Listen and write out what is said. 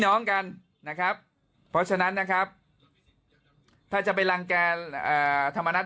น้องกันนะครับเพราะฉะนั้นนะครับถ้าจะไปรังแก่ธรรมนัฐ